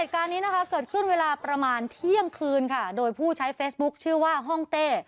เหตุการณ์นี้นะคะเกิดขึ้นเวลาประมาณเที่ยงคืนค่ะโดยผู้ใช้เฟซบุ๊คชื่อว่าห้องเต้